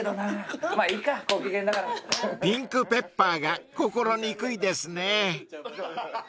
［ピンクペッパーが心憎いですね］